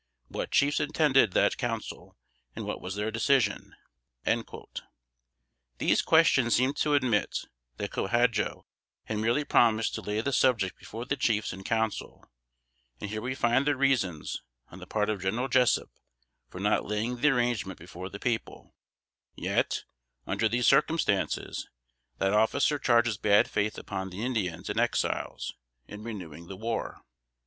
What chiefs attended that Council, and what was their decision?" These questions seem to admit, that Co Hadjo had merely promised to lay the subject before the chiefs in Council; and here we find the reasons, on the part of General Jessup, for not laying the arrangement before the people: yet, under these circumstances, that officer charges bad faith upon the Indians and Exiles, in renewing the war.